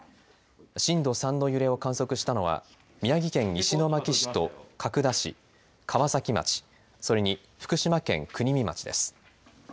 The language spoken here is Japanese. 震度３の揺れを観測したのは宮城県石巻市と角田市、川崎町、それに福島県国見町です。